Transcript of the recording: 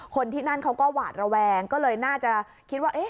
คนที่นั่นเขาก็หวาดระแวงก็เลยน่าจะคิดว่า